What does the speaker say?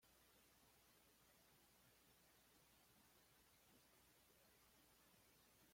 En consecuencia, la presión de vapor de todo el sistema aumenta.